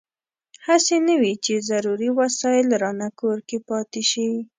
هسې نه وي چې ضروري وسایل رانه کور کې پاتې شي.